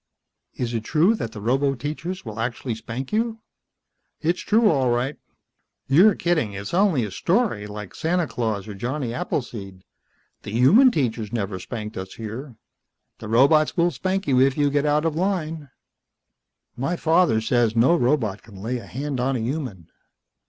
"Is it true that the roboteachers will actually spank you?" "It's true, all right." "You're kidding. It's only a story, like Santa Claus or Johnny Appleseed. The human teachers never spanked us here." "The robots will spank you if you get out of line." "My father says no robot can lay a hand on a human."